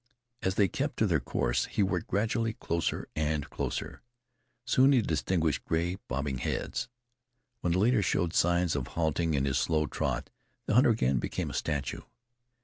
As they kept to their course, he worked gradually closer and closer. Soon he distinguished gray, bobbing heads. When the leader showed signs of halting in his slow trot the hunter again became a statue.